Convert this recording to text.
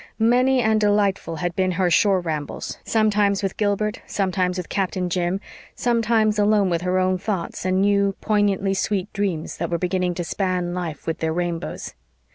Many and delightful had been her shore rambles, sometimes with Gilbert, sometimes with Captain Jim, sometimes alone with her own thoughts and new, poignantly sweet dreams that were beginning to span life with their rainbows.